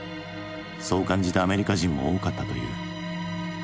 そう感じたアメリカ人も多かったという。